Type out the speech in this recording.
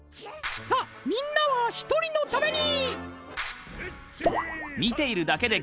さあみんなは一人のために！